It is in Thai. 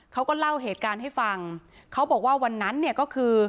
เขาก็เล่าเหตุการณ์ให้ฟังเขาบอกว่าวันนั้นเนี่ยก็คือ